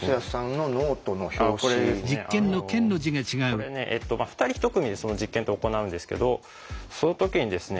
これねえっと２人１組で実験って行うんですけどその時にですね